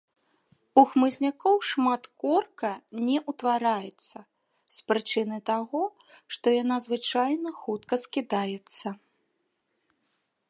У хмызнякоў шмат корка не ўтвараецца, з прычыны таго, што яна звычайна хутка скідаецца.